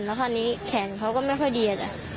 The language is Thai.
แล้วคราวนี้แขนเขาก็ไม่ค่อยดีจ้ะ